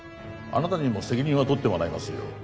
あなたにも責任は取ってもらいますよ